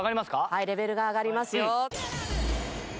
はいレベルが上がりますよ。